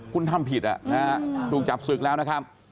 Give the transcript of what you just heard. คุณทำผิดถูกจับศึกแล้วนะครับ